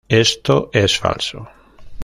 Esto es falso.